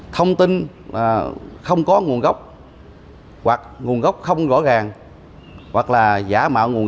thông tin không có nguồn gốc hoặc nguồn gốc không rõ ràng hoặc là giả mạo nguồn gốc